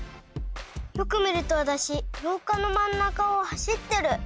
よく見るとわたしろうかの真ん中を走ってる。